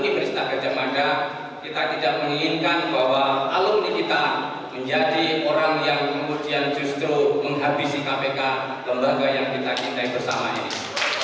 presiden joko widodo mencari penyelenggaraan untuk menghentikan rencana pembahasan revisi undang undang kpk